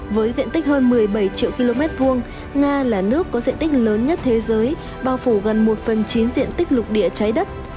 với diện tích hơn một mươi bảy triệu km hai nga là nước có diện tích lớn nhất thế giới bao phủ gần một phần chín diện tích lục địa cháy đất